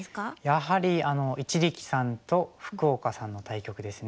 やはり一力さんと福岡さんの対局ですね。